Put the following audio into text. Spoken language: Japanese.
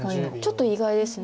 ちょっと意外です。